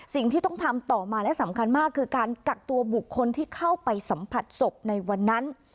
สิ่งที่ต้องทำต่อมาและสำคัญมากคือการกักตัวบุคคลที่เข้าไปสัมผัสศพในวันนั้น